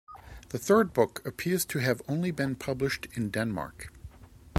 The third book appears to have only been published in Denmark.